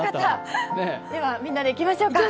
では、みんなでいきましょうか。